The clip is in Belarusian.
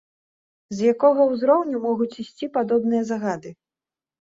З якога узроўню могуць ісці падобныя загады?